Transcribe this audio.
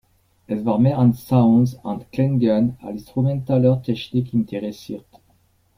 Er war mehr an Sounds und Klängen als instrumentaler Technik interessiert.